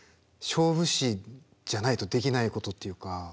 勝負師じゃないとできないことっていうか。